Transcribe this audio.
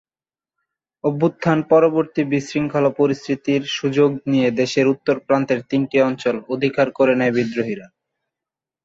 অভ্যুত্থান পরবর্তী বিশৃঙ্খল পরিস্থিতির সুযোগ নিয়ে দেশের উত্তর প্রান্তের তিনটি অঞ্চল অধিকার করে নেয় বিদ্রোহীরা।